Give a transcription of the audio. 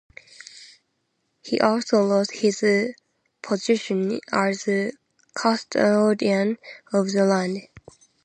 He also lost his position as custodian of the land.